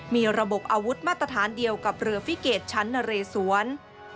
มีระบบอาวุธมาตรฐานเดียวกับเรือฟิเกตชั้นนเรสวน